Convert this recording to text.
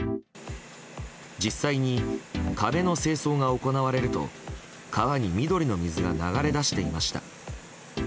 実際に壁の清掃が行われると川に緑の水が流れ出していました。